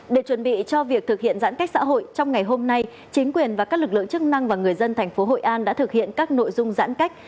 để chuẩn bị cho việc thực hiện giãn cách xã hội trong ngày hôm nay chính quyền và các lực lượng chức năng và người dân thành phố hội an đã thực hiện các nội dung giãn cách